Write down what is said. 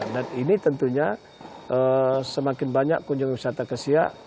dan ini tentunya semakin banyak kunjungan wisata ke siak